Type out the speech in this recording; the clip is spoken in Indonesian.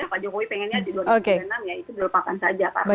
pak jokowi pengennya di dua ribu dua puluh enam ya itu dilupakan saja